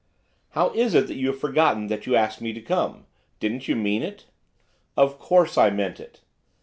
'How is it that you have forgotten that you asked me to come? didn't you mean it?' 'Of course I meant it.